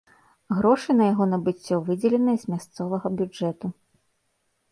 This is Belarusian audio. Грошы на яго набыццё выдзеленыя з мясцовага бюджэту.